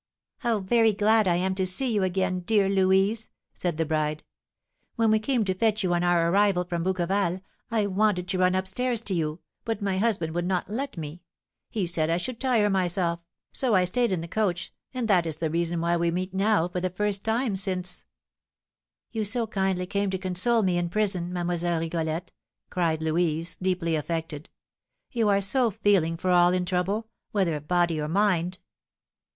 "How very glad I am to see you again, dear Louise," said the bride. "When we came to fetch you on our arrival from Bouqueval, I wanted to run up stairs to you, but my husband would not let me; he said I should tire myself, so I stayed in the coach, and that is the reason why we meet now for the first time since " "You so kindly came to console me in prison, Mlle. Rigolette," cried Louise, deeply affected. "You are so feeling for all in trouble, whether of body or mind!"